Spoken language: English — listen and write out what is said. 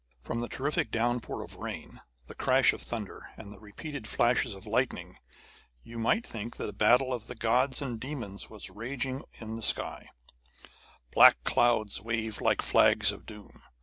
From the terrific downpour of rain, the crash of thunder, and the repeated flashes of lightning, you might think that a battle of the gods and demons was raging in the skies. Black clouds waved like the Flags of Doom.